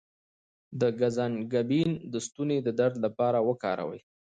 د ګز انګبین د ستوني د درد لپاره وکاروئ